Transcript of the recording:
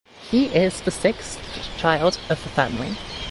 He is the sixth child of the family.